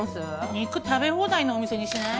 肉食べ放題のお店にしない？